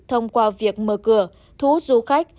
thông qua việc mở cửa thú du khách